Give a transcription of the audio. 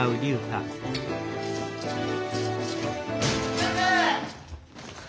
・・先生！